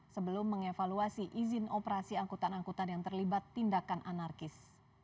sebelum mengevaluasi izin operasi angkutan angkutan yang terlibat tindakan anarkis